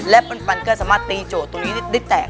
และปันก็สามารถตีโจทย์ตรงนี้ได้แตก